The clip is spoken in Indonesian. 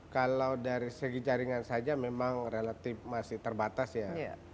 kalau dari segi jaringan saja memang relatif masih terbatas ya